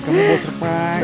kamu bawa surprise